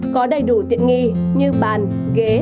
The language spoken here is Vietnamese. có đầy đủ tiện nghi như bàn ghế